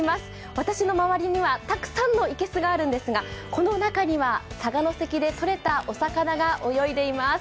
私の周りには、たくさんの生けすがあるんですが、この中には、佐賀関でとれたお魚が泳いでいます。